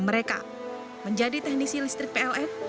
menjadi teknisi listrik plm